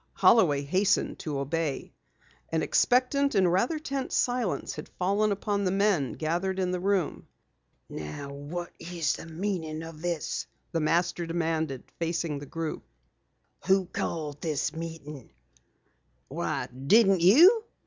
Holloway hastened to obey. An expectant and rather tense silence had fallen upon the men gathered in the room. "Now what is the meaning of this?" the Master demanded, facing the group. "Who called this meeting?" "Why, didn't you?"